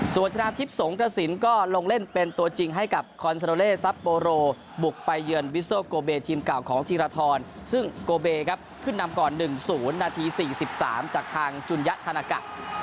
ส่วนชนะทิพย์สงกระสินก็ลงเล่นเป็นตัวจริงให้กับคอนโซโลเลซับโบโรบุกไปเยือนวิสโซโกเบทีมเก่าของธีรทรซึ่งโกเบครับขึ้นนำก่อน๑๐นาที๔๓จากทางจุนยะธานากะ